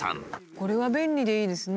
これは便利でいいですね。